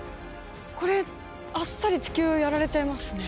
これあっさり地球やられちゃいますね。